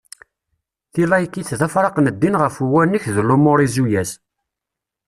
Tilaykit d afraq n ddin ɣef uwanek d lumuṛ izuyaz.